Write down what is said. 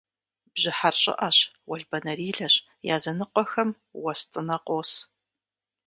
Бжьыхьэр щӏыӏэщ, уэлбанэрилэщ, языныкъуэхэм уэс цӏынэ къос.